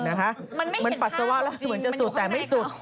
มันไม่เห็นภาพจริงมันอยู่ข้างในเขามันปัสสาวะแล้วเหมือนจะสุดแต่ไม่สุด